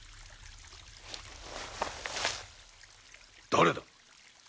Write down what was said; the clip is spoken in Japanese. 誰だ！？